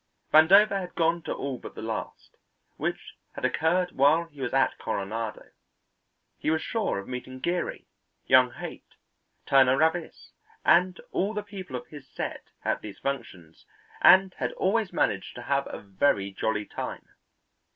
Vandover had gone to all but the last, which had occurred while he was at Coronado. He was sure of meeting Geary, young Haight, Turner Ravis, and all the people of his set at these functions, and had always managed to have a very jolly time.